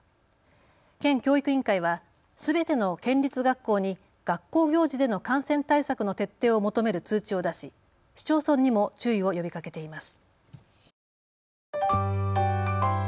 県教育委員会はすべての県立学校に学校行事での感染対策の徹底を求める通知を出し、市町村にも注意を呼びかけています。